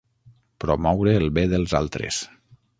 Promoure el bé dels altres.